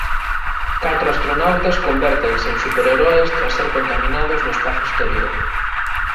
Catro astronautas convértense en súper heroes tras ser contaminados no espazo exterior.